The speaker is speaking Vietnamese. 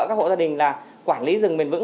các hộ gia đình là quản lý rừng bền vững